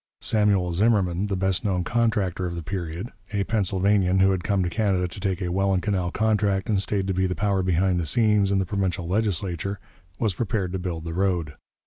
Samuel Zimmermann, the best known contractor of the period, a Pennsylvanian who had come to Canada to take a Welland Canal contract, and stayed to be the power behind the scenes in the provincial legislature, was prepared to build the road.